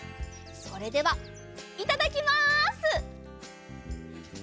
それではいただきます！